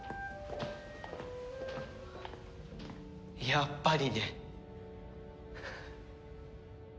やっぱりね。